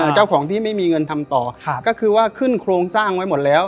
เจ้าของที่ไม่มีเงินทำต่อก็คือว่าขึ้นโครงสร้างไว้หมดแล้ว